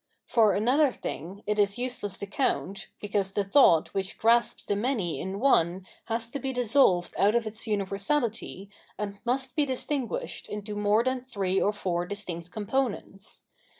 For another thing it is use less to count, because the thought which grasps the many in one has to be dissolved out of its universality and must be distinguished into more than three or four distinct components.